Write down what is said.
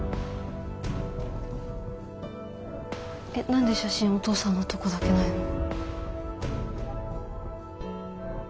えっ何で写真お父さんのとこだけないの？